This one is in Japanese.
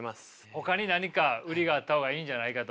ほかに何か売りがあった方がいいんじゃないかと。